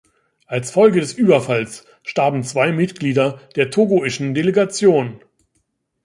Als Folge des Überfalls starben zwei Mitglieder der togoischen Delegation.